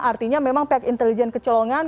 artinya memang pihak intelijen kecolongan